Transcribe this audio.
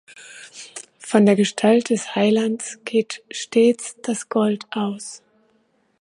Von der Gestalt des Heilands geht stets das Gold aus.